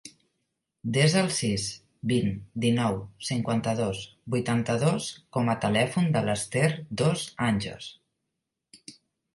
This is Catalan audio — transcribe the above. Desa el sis, vint, dinou, cinquanta-dos, vuitanta-dos com a telèfon de l'Esther Dos Anjos.